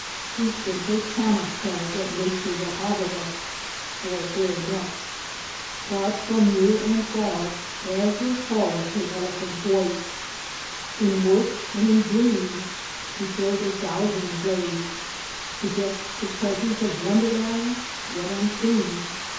We simply cannot tell what nature will have of us, or where next. But from near and far, 88 THE ADVENTURES OF A NATURE GUIDE ever calls her eloquent voice. In work and in dreams she shows a thousand ways, suggests the presence of wonderlands yet unseen.